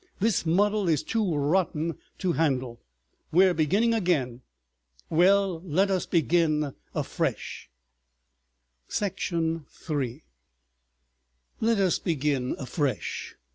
"This muddle is too rotten to handle. We're beginning again. Well, let us begin afresh." § 3 "Let us begin afresh!"